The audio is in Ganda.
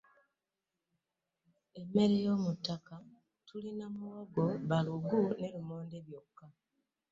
Emmere yo mu ttaka tulina muwogo, bbalugu ne lumonde byokka.